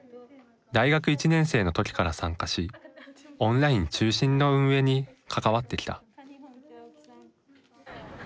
大学１年生の時から参加しオンライン中心の運営に関わってきた。